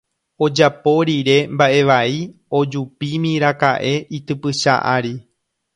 Ojapo rire mba'e vai ojupímiraka'e itypycha ári